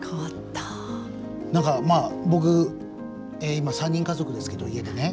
何か僕今３人家族ですけど家でね。